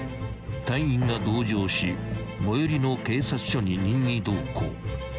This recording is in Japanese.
［隊員が同乗し最寄りの警察署に任意同行］